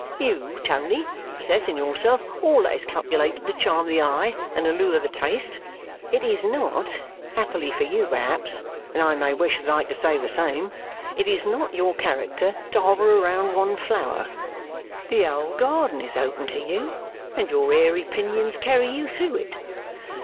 You, Tony, possess in yourself all that is calculated to charm the eye and allure the taste. It is not happily for you, perhaps, and I may wish that I could say the same it is not your character to hover around one flower. The ole garden is open to you, and your airy pinions carry you through it.